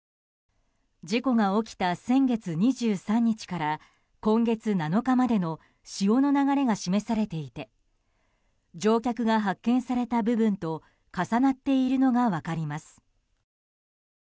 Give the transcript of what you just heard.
事故が起きた先月２３日から今月７日までの潮の流れが示されていて乗客が発見された部分と重なっているのが分かります。